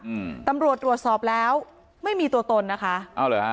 อืมตำรวจตรวจสอบแล้วไม่มีตัวตนนะคะเอาเหรอฮะ